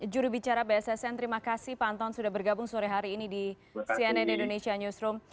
jurubicara bssn terima kasih pak anton sudah bergabung sore hari ini di cnn indonesia newsroom